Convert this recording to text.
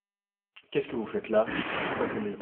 Qu’est-ce que vous faites-là ? pourquoi tremblez-vous ?